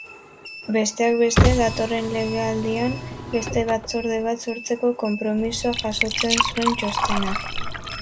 Besteak beste, datorren legealdian beste batzorde bat sortzeko konpromisoa jasotzen zuen txostenak.